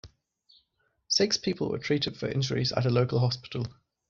Six people were treated for injuries at a local hospital.